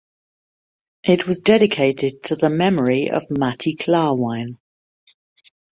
It was dedicated to the memory of Mati Klarwein.